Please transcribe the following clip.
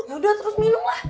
yaudah terus minum lah